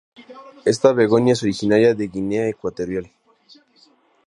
Esta "begonia" es originaria de Guinea Ecuatorial.